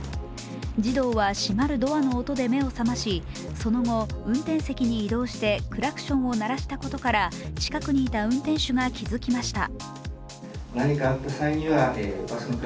児童は閉まるドアの音で目を覚まし、その後運転席に移動してクラクションを鳴らしたことから、近くにいた運転手が気づきました。